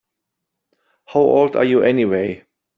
How old are you anyway?